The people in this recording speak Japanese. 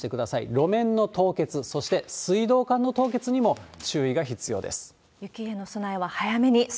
路面の凍結、そして水道管の凍結にも注意が必要です。